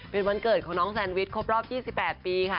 เป็นวันเกิดของน้องแซนวิชครบรอบ๒๘ปีค่ะ